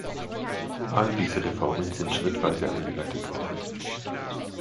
All diese Reformen sind schrittweise eingeleitet worden.